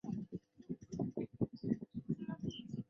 甘肃醉鱼草为玄参科醉鱼草属的植物。